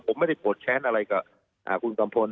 ผมไม่ได้โกรธแค้นอะไรกับคุณกัมพล